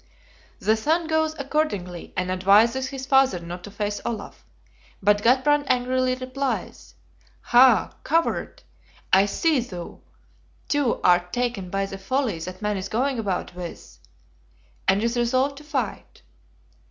The son goes accordingly, and advises his father not to face Olaf; but Gudbrand angrily replies: "Ha, coward! I see thou, too, art taken by the folly that man is going about with;" and is resolved to fight.